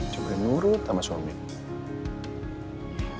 coba nurut sama suaminya